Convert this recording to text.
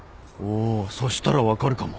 おそしたら分かるかも。